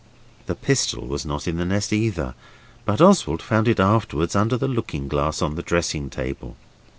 The pistol was not in the nest either, but Oswald found it afterwards under the looking glass on the dressing table.